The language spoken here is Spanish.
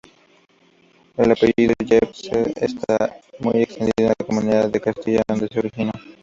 El apellido Yepes está muy extendido en la comunidad de Castilla, donde se originó.